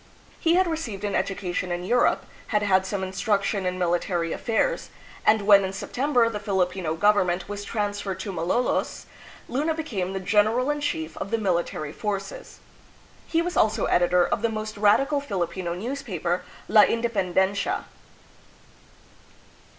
He had received an edu cation in Europe, had had some instruction in military affairs, and when in September the Filipino govern ment was trans ferred to Malolos, Luna became the general in chief of the military forces. He was also editor of the most radical Filipino newspa per, "La Indepen dencia."